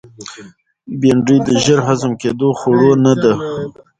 بېنډۍ د ژر هضم کېدونکو خوړو نه ده